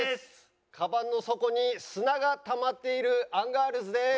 かばんの底に砂がたまっているアンガールズです。